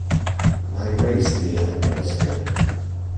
I raised the eyebrows again.